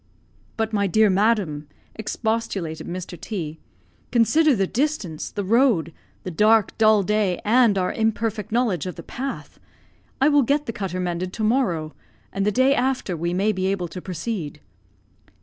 "But, my dear madam," expostulated Mr. T , "consider the distance, the road, the dark, dull day, and our imperfect knowledge of the path. I will get the cutter mended to morrow; and the day after we may be able to proceed."